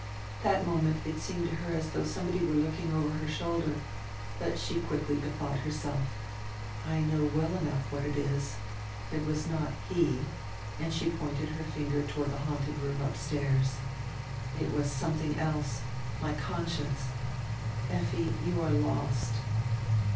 That moment it seemed to her as though somebody were looking over her shoulder. But she quickly bethought herself. "I know well enough what it is. It was not he," and she pointed her finger toward the haunted room upstairs. "It was something else — my con science — Effi, you are lost."